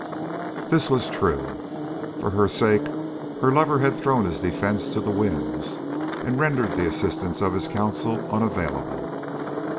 This was true; for her sake her lover had thrown his defence to the winds and rendered the assistance of his counsel unavailable.